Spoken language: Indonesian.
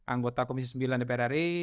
anggota komisi sembilan dpr ri